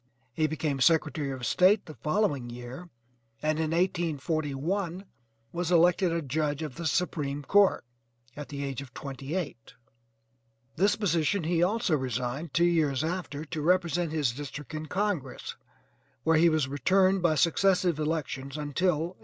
He became Secretary of State the following year, and in 1841 was elected a judge of the Supreme Court at the age of twenty eight. This position he also resigned two years after to represent his district in congress where he was returned by successive elections until 1848.